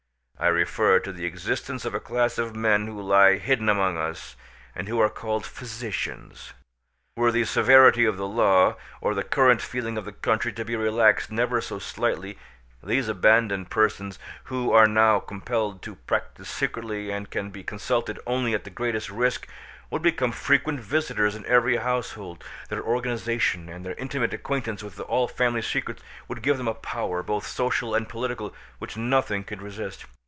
I refer to the existence of a class of men who lie hidden among us, and who are called physicians. Were the severity of the law or the current feeling of the country to be relaxed never so slightly, these abandoned persons, who are now compelled to practise secretly and who can be consulted only at the greatest risk, would become frequent visitors in every household; their organisation and their intimate acquaintance with all family secrets would give them a power, both social and political, which nothing could resist.